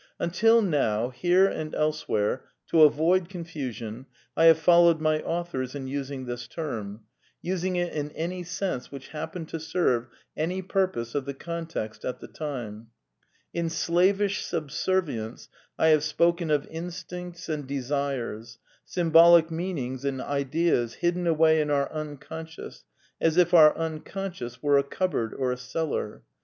Until now, here and elsewhere, to avoid confusion, I have followed my authors in using this term — using it in any sense which happened to serve any purpose of the context at the time. In slavish subservience I have spoken of instincts and desires, symbolic meanings and ideas hidden away in our Unconsciousness, as if our Un consciousness were a cupboard or a cellar.